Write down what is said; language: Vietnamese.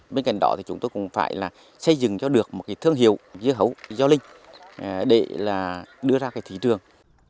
bên cạnh đó thì chúng tôi cũng phải xây dựng cho được một thương hiệu dưa hấu do linh để đưa ra thí trường